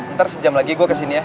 ntar sejam lagi gue kesini ya